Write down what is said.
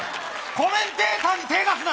コメンテーターに手出すな。